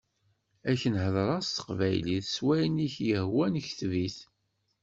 Ad k-n-hedreɣ s teqbaylit, s wayen i k-yehwan kteb-it.